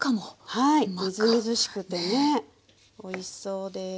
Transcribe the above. はいみずみずしくてねおいしそうです。